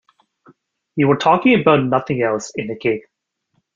You were talking about nothing else in the gig.